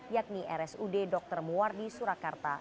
yakni rsud dr muwardi surakarta